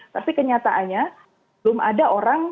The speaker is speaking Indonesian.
tapi kenyataannya belum ada orang